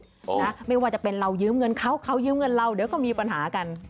นะไม่ว่าจะเป็นเรายืมเงินเขาเขายืมเงินเราเดี๋ยวก็มีปัญหากัน